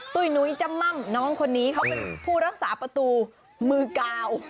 ุ้ยหนุ้ยจำม่ำน้องคนนี้เขาเป็นผู้รักษาประตูมือกาว